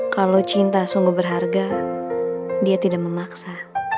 kalau cinta sungguh berharga dia tidak memaksa